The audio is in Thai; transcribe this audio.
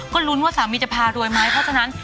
ก็ลุ้นว่าสามีจะพารวยไหมเพราะฉะนั้น